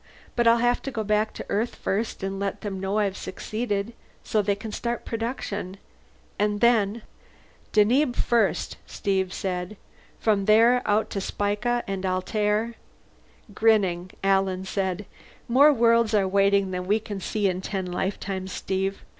But I'll have to go back to Earth first and let them know I've succeeded, so they can start production. And then " "Deneb first," Steve said. "From there out to Spica, and Altair " Grinning, Alan said, "More worlds are waiting than we can see in ten lifetimes, Steve.